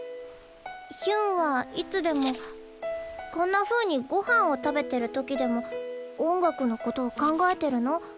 ヒュンはいつでもこんなふうに御飯を食べてる時でも音楽のことを考えてるの？